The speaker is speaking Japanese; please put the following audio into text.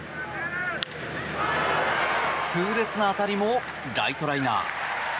痛烈な当たりもライトライナー。